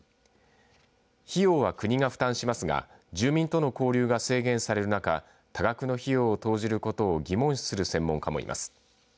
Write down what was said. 費用は国が負担しますが住民との交流が制限される中多額の費用を投じることを疑問視する専門家もいます。